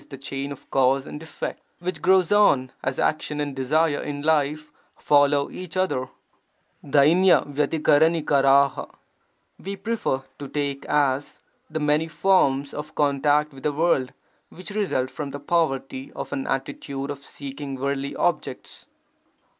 the chain of cause and effect which grows on as action and desire in life follow each other). [<"H ot lfd c b<Pl c tKl: — we prefer to take as: 'the many forms of contact with the world which result from the poverty of an attitude of seeking worldly objects'.